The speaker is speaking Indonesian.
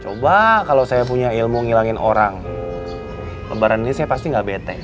coba kalau saya punya ilmu ngilangin orang lebaran ini saya pasti gak bete